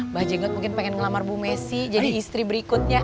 mbak jenggot mungkin pengen ngelamar bu messi jadi istri berikutnya